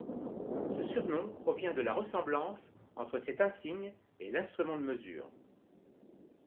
Ce surnom provient de la ressemblance entre cet insigne et l'instrument de mesure.